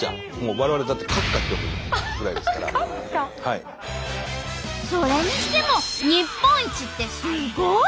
我々はだってそれにしても日本一ってすごい！